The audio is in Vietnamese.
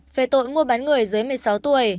về tội mua bán người dưới một mươi sáu tuổi